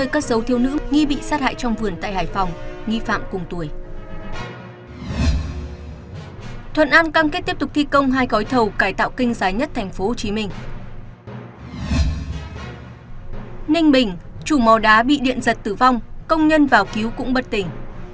các bạn hãy đăng kí cho kênh lalaschool để không bỏ lỡ những video hấp dẫn